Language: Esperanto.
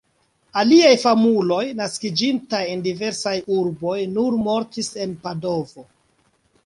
Aliaj famuloj, naskiĝintaj en diversaj urboj, nur mortis en Padovo.